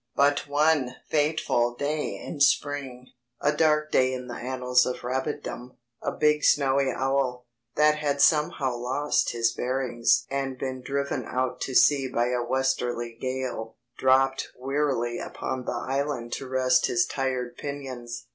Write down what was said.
But one fateful day in spring—a dark day in the annals of rabbitdom—a big snowy owl, that had somehow lost his bearings and been driven out to sea by a westerly gale, dropped wearily upon the island to rest his tired pinions.